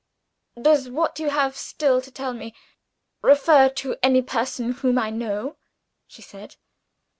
"Does what you have still to tell me refer to any person whom I know?" she said.